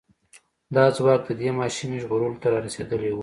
دا ځواک د دې ماشومې ژغورلو ته را رسېدلی و.